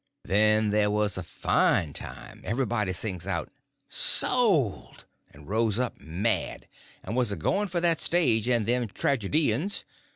Then there was a fine time. Everybody sings out, "Sold!" and rose up mad, and was a going for that stage and them tragedians.